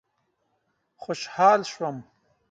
خوشحال شوم.